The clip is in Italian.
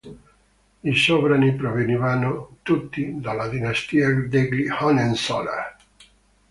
I sovrani provenivano tutti dalla dinastia degli Hohenzollern.